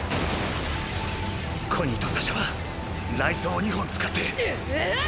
コニーとサシャは雷槍を２本使ってはっ！！